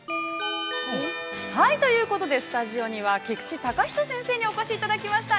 ◆ということで、スタジオには、菊地崇仁先生にお越しいただきました。